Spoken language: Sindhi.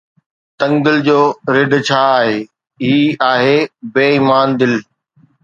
تنگ دل جو رڍ ڇا آهي، هي آهي بي ايمان دل